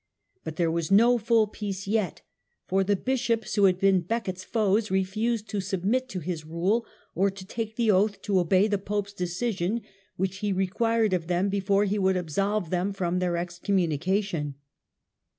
But there was no full peace yet. For the bishops who had been Becket's foes refused to submit to his rule, or to take the oath to obey the pope's decision, which he required of them before he would absolve them from their excommunica ^^ return tion.